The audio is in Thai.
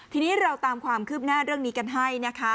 ทีนี้เราตามความคืบหน้าเรื่องนี้กันให้นะคะ